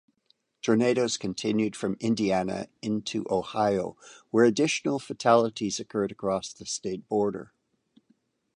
Tornadoes continued from Indiana into Ohio where additional fatalities occurred across the state border.